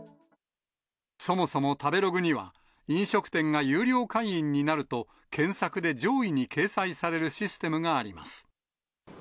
そもそも食べログには、飲食店が有料会員になると検索で上位に掲載されるシステムがあります。